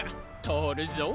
とおるぞ。